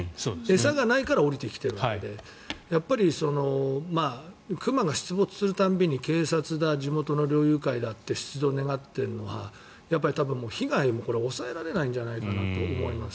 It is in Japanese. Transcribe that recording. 餌がないから下りてきているわけでやっぱり熊が出没する度に警察だ、地元の猟友会だって出動を願っているのは多分、被害も抑えられないんじゃないかなと思います。